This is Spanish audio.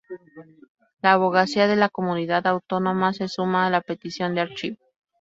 La Abogacía de la Comunidad Autónoma se suma a la petición de archivo.